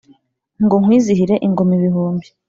ngo nkwizihire ingoma ibihumbi